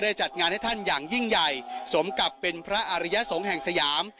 จัดงานให้ท่านอย่างยิ่งใหญ่สมกับเป็นพระอริยสงฆ์แห่งสยาม